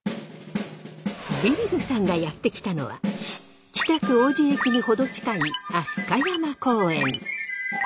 ビビるさんがやって来たのは北区王子駅に程近い飛鳥山公園。